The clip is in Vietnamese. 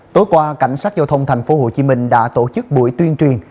tối qua cảnh sát giao thông tp hcm đã tổ chức buổi tuyên truyền